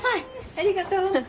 ありがとう。